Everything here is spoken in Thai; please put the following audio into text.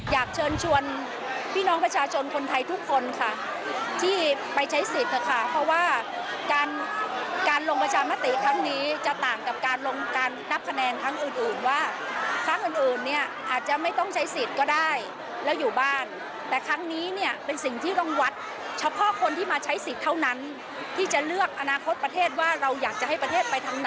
อยากเชิญชวนพี่น้องประชาชนคนไทยทุกคนค่ะที่ไปใช้สิทธิ์เถอะค่ะเพราะว่าการการลงประชามติครั้งนี้จะต่างกับการลงการนับคะแนนครั้งอื่นว่าครั้งอื่นเนี่ยอาจจะไม่ต้องใช้สิทธิ์ก็ได้แล้วอยู่บ้านแต่ครั้งนี้เนี่ยเป็นสิ่งที่ต้องวัดเฉพาะคนที่มาใช้สิทธิ์เท่านั้นที่จะเลือกอนาคตประเทศว่าเราอยากจะให้ประเทศไปทางไหน